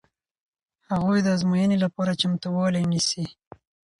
هغوی د ازموینې لپاره چمتووالی نیسي.